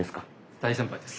大先輩です。